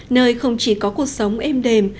nơi không chỉ có cuộc sống êm đềm